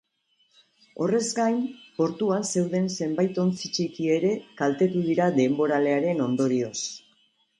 Horrez gain, portuan zeuden zenbait ontzi txiki ere kaltetu dira denboralearen ondorioz.